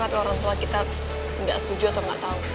kalo orang tua kita gak setuju atau gak tau